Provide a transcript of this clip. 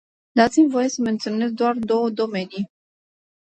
Dați-mi voie să menționez doar două domenii.